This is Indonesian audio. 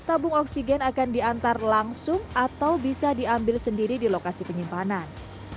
tabung oksigen akan diantar langsung atau bisa diambil sendiri di lokasi penyimpanan